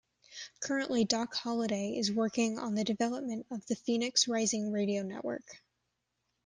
Currently Doc Holliday is working on the development of the Phoenix Rising Radio Network.